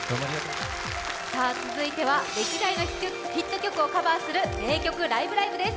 続いては歴代のヒット曲をカバーする「名曲ライブ！